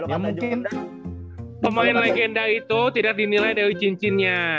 ya mungkin pemain legenda itu tidak dinilai dari cincinnya